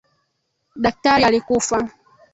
Daktari alikufa